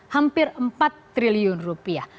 hampir empat triliun rupiah